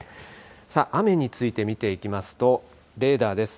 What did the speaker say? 雨について見ていきますと、レーダーです。